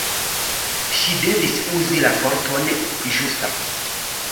Ŝi devis uzi la vorton ĝusta.